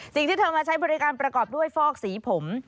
สิ่งที่เธอมาใช้บริการประกอบด้วยฟอกสีผม